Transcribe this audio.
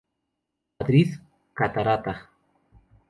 Madrid: Catarata.